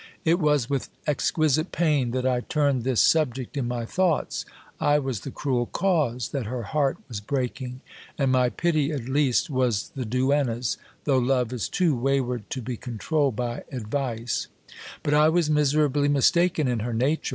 It was with exquisite pain that I turned this subject in my thoughts. I was the cruel cause that her heart was breaking ; and my pity at least was the duenna's, though love is too wayward SEPHORA'S HATRED TOWARDS GIL BLAS. 225 to be controlled by advice. But I was miserably mistaken in her nature.